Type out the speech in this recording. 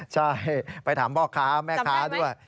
ใช่ไปถามพ่อค้าแม่ค้าด้วย